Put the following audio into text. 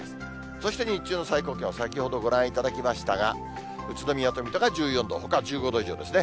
そして日中の最高気温、先ほどご覧いただきましたが、宇都宮と水戸が１４度、ほかは１５度以上ですね。